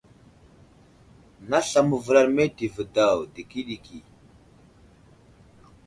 Nay aslam məvəlar meltivi daw ɗikiɗiki.